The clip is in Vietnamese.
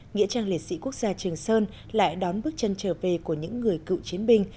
nghĩa trang liệt sĩ quốc gia trường sơn lại đón bước chân trở về của những người cựu chiến binh